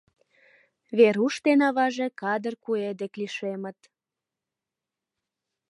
Веруш ден аваже кадыр куэ дек лишемыт.